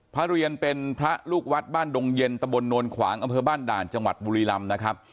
เรียนเป็นพระลูกวัดบ้านดงเย็นตะบนโนนขวางอำเภอบ้านด่านจังหวัดบุรีลำนะครับ